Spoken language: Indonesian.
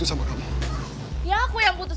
ayo deh kelihatan